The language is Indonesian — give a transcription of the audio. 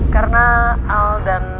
karena al dan